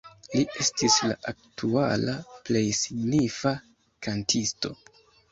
Li estis la aktuala plej signifa kantisto.